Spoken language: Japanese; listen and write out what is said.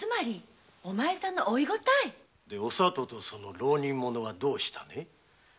お里とその浪人者はどうしたね？